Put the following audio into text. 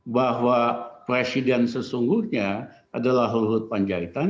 bahwa presiden sesungguhnya adalah luhut panjaitan